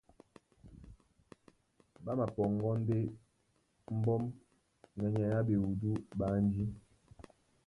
Ɓá mapɔŋgɔ́ ndé mbɔ́m na nyay á ɓewudú ɓé ánjí,